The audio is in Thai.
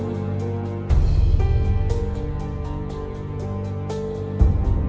โปรดติดตามต่อไป